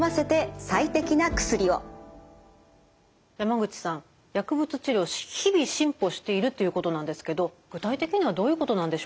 山口さん薬物治療日々進歩しているということなんですけど具体的にはどういうことなんでしょうか？